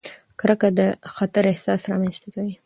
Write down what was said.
کرکه د خطر احساس رامنځته کوي.